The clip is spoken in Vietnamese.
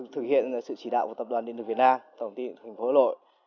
thực hiện sự chỉ đạo của tập đoàn điện lực việt nam tổng công ty điện lực thành phố hà nội